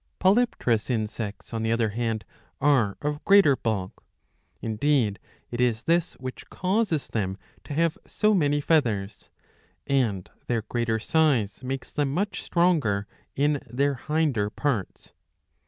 Polypterous insects on the other hand are of greater bulk — indeed it is this which causes them to have so many feathers — and their greater size makes them much stronger in their hinder parts.